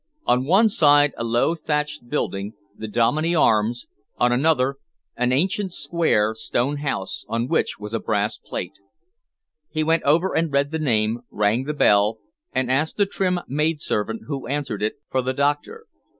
On one side a low, thatched building, the Dominey Arms; on another, an ancient, square stone house, on which was a brass plate. He went over and read the name, rang the bell, and asked the trim maidservant who answered it, for the doctor.